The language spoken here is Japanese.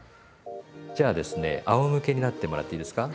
じゃあですねあおむけになってもらっていいですか。